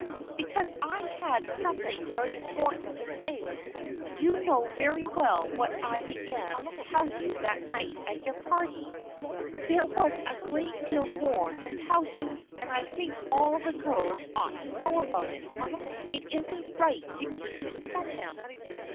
"Because I had something very important to say. You know very well what I began to tell you that night at your party. There was a great deal more to tell you, and I think all the girls ought to know about it. It isn't right to keep it from them."